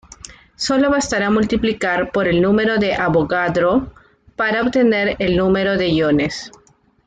Solo bastará multiplicar por el número de Avogadro para obtener el número de iones.